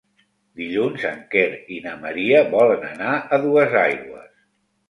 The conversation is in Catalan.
Dilluns en Quer i na Maria volen anar a Duesaigües.